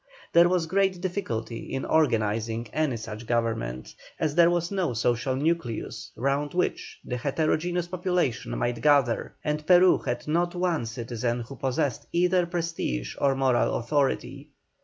There was great difficulty in organizing any such government, as there was no social nucleus round which the heterogeneous population might gather, and Peru had not one citizen who possessed either prestige or moral authority.